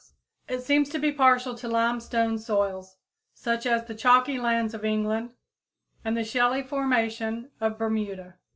[Illustration: Sweet Fennel] It seems to be partial to limestone soils, such as the chalky lands of England and the shelly formation of Bermuda.